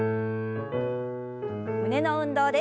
胸の運動です。